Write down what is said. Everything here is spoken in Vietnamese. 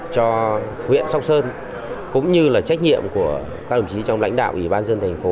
cho huyện sóc sơn cũng như là trách nhiệm của các đồng chí trong lãnh đạo ủy ban nhân dân tp